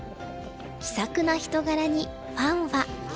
気さくな人柄にファンは。